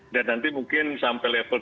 lihat nanti mungkin sampai level